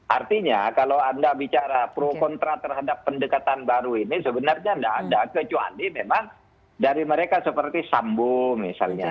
artinya kalau anda bicara pro kontra terhadap pendekatan baru ini sebenarnya tidak ada kecuali memang dari mereka seperti sambo misalnya